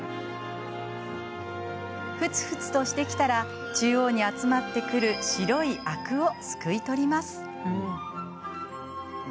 ふつふつとしてきたら中央に集まってくる白いアクをすくい取ります。